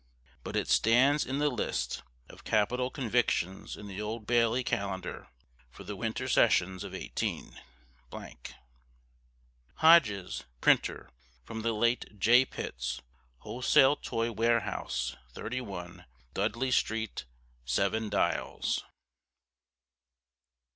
But it stands in the list of capital convictions in the Old Bailey Calendar for the Winter Sessions of 18 Hodges, Printer (from the late J. Pitt's) Wholesale Toy Warehouse, 31, Dudley Street, 7 Dials.